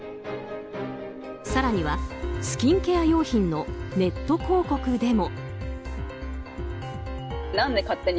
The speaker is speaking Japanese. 更には、スキンケア用品のネット広告でも。